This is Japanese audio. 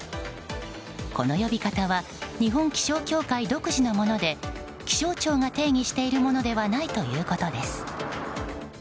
この呼び方は日本気象協会独自のもので気象庁が定義しているものではないということです。